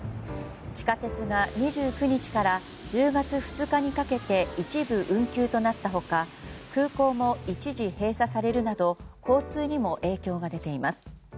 地下鉄が２９日から１０月２日にかけて一部運休となった他空港も一時閉鎖されるなど交通にも影響が出ています。